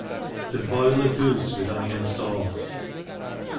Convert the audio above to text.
■To boil a Goose with Onion Sauce.